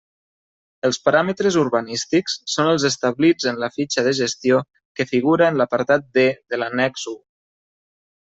Els paràmetres urbanístics són els establits en la fitxa de gestió que figura en l'apartat D de l'annex I.